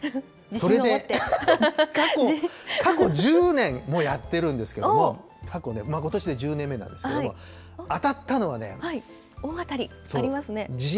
それで過去１０年もやってるんですけども、ことしで１０年目なんですけれども、当たったのは大当たり、ありますね。